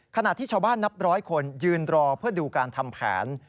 ขณะที่ชาวบ้านนับร้อยคนยืนรอเพื่อดูการทำแผน